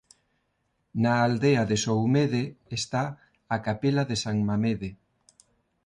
Na aldea de Soumede está a capela de San Mamede.